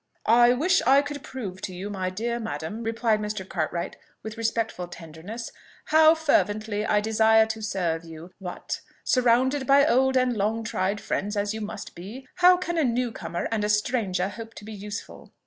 "I wish I could prove to you, my dear madam," replied Mr. Cartwright with respectful tenderness, "how fervently I desire to serve you: but, surrounded by old and long tried friends as you must be, how can a new comer and a stranger hope to be useful?"